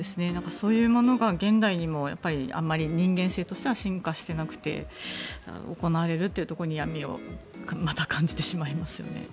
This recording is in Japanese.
そういうものが現代にもあまり人間性としては進化していなくて行われるというところに闇をまた感じてしまいますよね。